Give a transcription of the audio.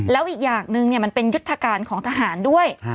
แล้วอีกอย่างหนึ่งมันเป็นยุทธการของทหารด้วย